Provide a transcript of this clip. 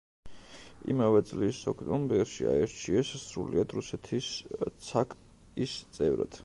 იმავე წლის ოქტომბერში აირჩიეს სრულიად რუსეთის ცაკ-ის წევრად.